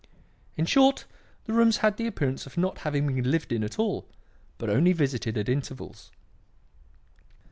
In short, the rooms had the appearance of not having been lived in at all, but only visited at intervals.